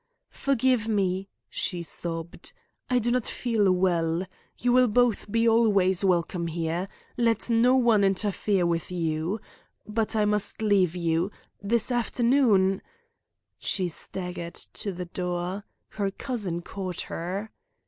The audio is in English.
"Forgive me," she sobbed. "I do not feel well. You will both be always welcome here. Let no one interfere with you. But I must leave you. This afternoon " She staggered to the door. Her cousin caught her.